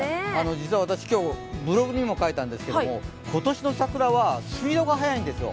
実は私、今日ブログにも書いたんですけど今年の桜はスピードが速いんですよ。